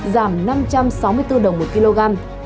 giảm năm trăm sáu mươi bốn đồng một kg